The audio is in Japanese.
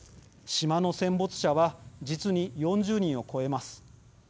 島の戦没者は実に４０人を超えます。